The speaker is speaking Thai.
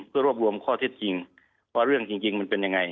เพื่อรวบรวมข้อเท็จจริงว่าเรื่องจริงมันเป็นยังไง